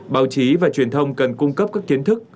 báo chí và truyền thông cần cung cấp các kiến thức